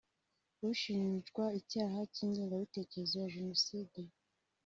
ushinjwa icyaha cy’ingengabitekerezo ya Jenoside